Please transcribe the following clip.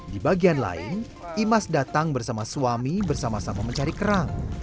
di bagian lain imas datang bersama suami bersama sama mencari kerang